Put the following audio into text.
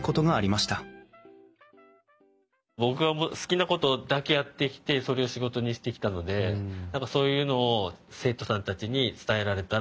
僕が好きなことだけやってきてそれを仕事にしてきたので何かそういうのを生徒さんたちに伝えられたらいいなあと思いながら。